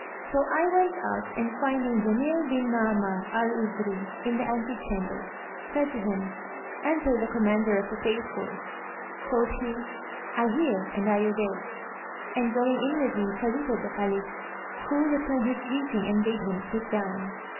So I went out and finding Jamíl bin Ma'amar al Uzrí[FN#126] in the antechamber, said to him, "Answer the Commander of the Faithful." Quoth he, "I hear and I obey," and going in with me, saluted the Caliph, who returned his greeting and bade him sit down.